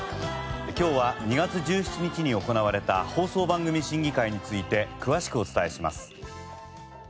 今日は２月１７日に行われた放送番組審議会について詳しくお伝えします。